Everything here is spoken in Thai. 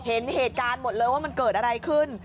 เห็นเหตุการณ์หมดเลยว่ามันเกิดอะไรขึ้น